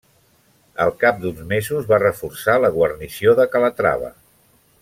Al cap d'uns mesos va reforçar la guarnició de Calatrava.